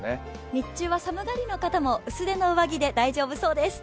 日中は寒がりの方も薄手の上着で大丈夫そうです。